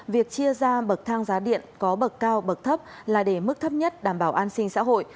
việc chia ra bậc thang giá điện có bậc cao bậc thấp là để mức thấp nhất đảm bảo an sinh xã hội